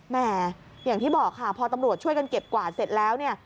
อย่างที่บอกค่ะพอตำรวจช่วยกันเก็บกวาดเสร็จแล้วเนี่ย